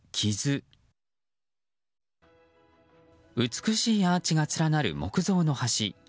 美しいアーチが連なる木造の橋。